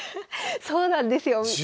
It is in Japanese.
そうなんですよ。